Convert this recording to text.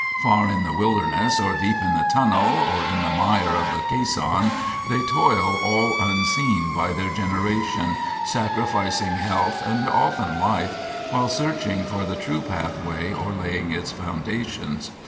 Far in the wilderness, or deep in the tunnel, or in the mire of the caisson, they toil all unseen by their generation, sacrificing health and often life while searching for the true pathway or laying its foundations.